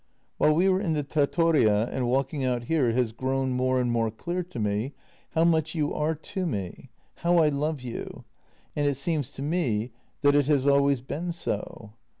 While we were in the trattoria and walking out here it has grown more and more clear to me how much you are to me, how I love you — and it seems to me that it has always been so.